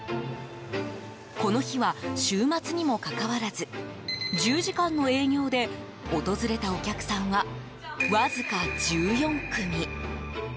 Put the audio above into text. この日は週末にもかかわらず１０時間の営業で訪れたお客さんはわずか１４組。